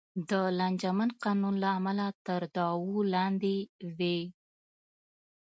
د لانجمن قانون له امله تر دعوو لاندې وې.